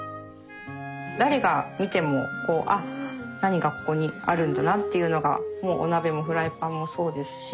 誰が見ても「何がここにあるんだな」っていうのがもうお鍋もフライパンもそうですし。